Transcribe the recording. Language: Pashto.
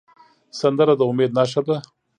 سندره د امید نښه ده